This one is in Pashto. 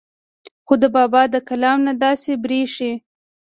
خو د بابا د کلام نه داسې بريښي